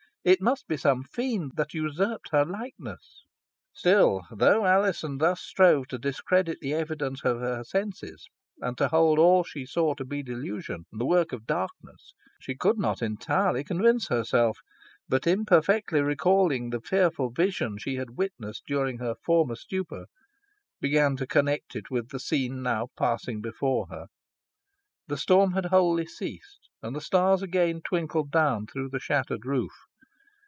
It must be some fiend that usurped her likeness. Still, though Alizon thus strove to discredit the evidence of her senses, and to hold all she saw to be delusion, and the work of darkness, she could not entirely convince herself, but imperfectly recalling the fearful vision she had witnessed during her former stupor, began to connect it with the scene now passing before her. The storm had wholly ceased, and the stars again twinkled down through the shattered roof.